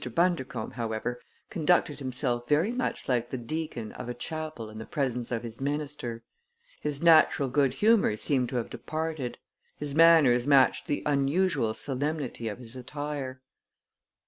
Bundercombe, however, conducted himself very much like the deacon of a chapel in the presence of his minister. His natural good humor seemed to have departed. His manners matched the unusual solemnity of his attire.